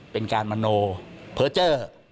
เป็นการมโนเผอร์เจ้อ